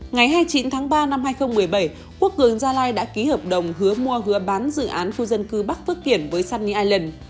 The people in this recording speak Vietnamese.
ngày hai mươi chín tháng ba năm hai nghìn một mươi bảy quốc cường gia lai đã ký hợp đồng hứa mua hứa bán dự án khu dân cư bắc phước kiển với sunny ireland